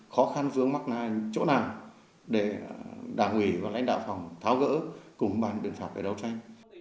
khó khăn vướng mắt chỗ nào để đảng ủy và lãnh đạo phòng tháo gỡ cùng bàn biện pháp để đấu tranh